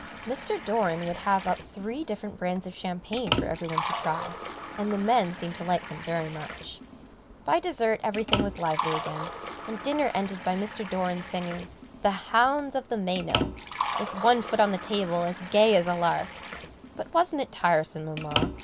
Mr. Doran would have up three different brands of champagne for every one to try, and the men seemed to like them very much. By dessert everything was lively again, and dinner ended by Mr. Doran singing "The hounds of the Meynell," with one foot on the table as gay as a lark. But wasn't it tiresome, Mamma?